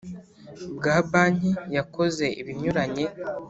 Bwa banki yakoze ibinyuranye